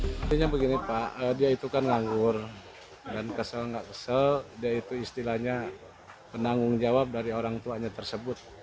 sebenarnya begini pak dia itu kan nganggur dan kesel nggak kesel dia itu istilahnya penanggung jawab dari orang tuanya tersebut